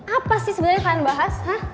apa sih sebenarnya kalian bahas